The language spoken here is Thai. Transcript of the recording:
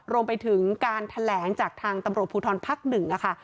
รวมไปถึงการแถลงจากทางตำรวจภูทรภักดิ์๑ค่ะ